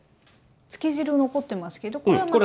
つけ汁残ってますけどこれはまた。